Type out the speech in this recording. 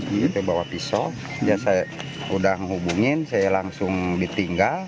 dia bawa pisau dia saya udah menghubungin saya langsung ditinggal